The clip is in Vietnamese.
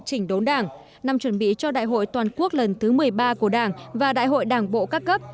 chỉnh đốn đảng năm chuẩn bị cho đại hội toàn quốc lần thứ một mươi ba của đảng và đại hội đảng bộ các cấp